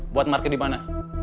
buat market dimana